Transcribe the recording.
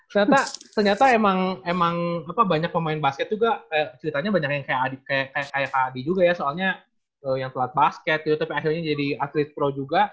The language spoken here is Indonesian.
karena ternyata emang banyak pemain basket juga ceritanya banyak yang kayak kak adi juga ya soalnya yang telat basket tapi akhirnya jadi atlet pro juga